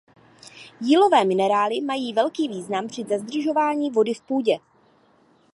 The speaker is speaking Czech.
Jílové minerály mají velký význam při zadržování vody v půdě.